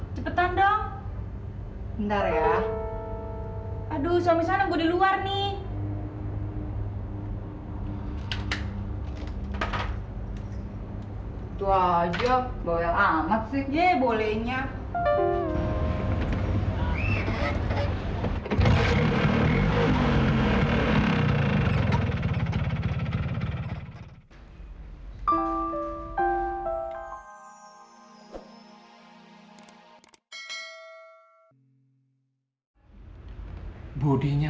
sampai jumpa di video selanjutnya